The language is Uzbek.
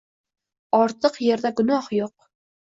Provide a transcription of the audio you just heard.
Ortiq yerda gunoh yo’q.